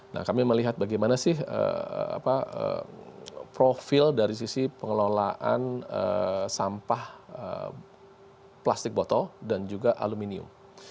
nah kami melihat bagaimana sih profil dari sisi pengelolaan sampah plastik botol dan juga aluminium